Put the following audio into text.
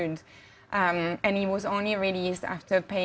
dalam dua minggu itu dia ditolak